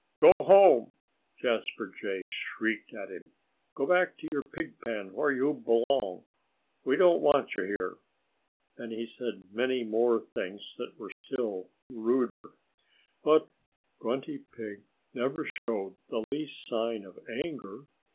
"Go home!" Jasper Jay shrieked at him. "Go back to your pigpen where you belong. We don't want you here." And he said many more things that were still ruder. But Grunty Pig never showed the least sign of anger.